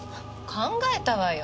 考えたわよ。